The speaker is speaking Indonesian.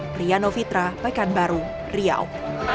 pekan baru riau